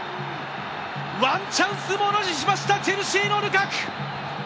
ワンチャンス、ものにしました、チェルシーのルカク！